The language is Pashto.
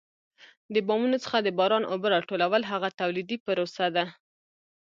د بامونو څخه د باران اوبه را ټولول هغه تولیدي پروسه ده.